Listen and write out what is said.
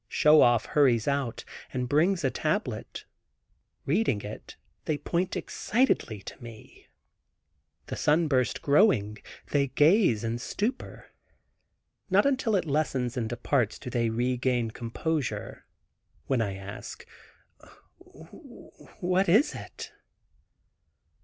Show Off hurries out and brings a tablet; reading it they point excitedly to me; the sunburst growing, they gaze in stupor. Not until it lessens and departs do they regain composure, when I ask, "What is it?"